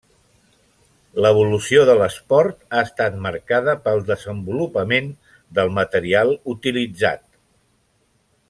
L’evolució de l’esport ha estat marcada pel desenvolupament del material utilitzat.